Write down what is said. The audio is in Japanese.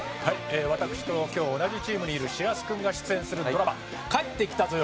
私と今日同じチームにいる白洲君が出演するドラマ『帰ってきたぞよ！